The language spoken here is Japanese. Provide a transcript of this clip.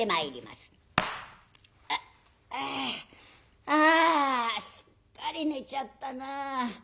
「あっあああすっかり寝ちゃったなあ。